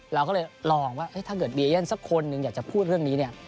เราก็เลยลองว่าถ้าเกิดเบียเย่นสักคนหนึ่งอยากจะพูดเรื่องนี้เนี่ย